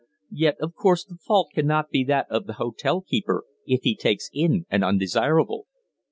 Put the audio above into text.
Yet, of course, the fault cannot be that of the hotel keeper if he takes in an undesirable."